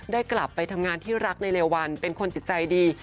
กลับไปทำงานที่รักในเร็ววันเป็นคนจิตใจดี